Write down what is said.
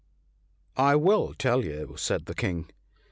* I will tell you,' said the King.